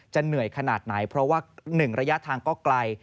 เหนื่อยขนาดไหนเพราะว่า๑ระยะทางก็ไกล